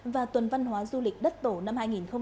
và tuần văn hóa du lịch đất tổ năm hai nghìn hai mươi bốn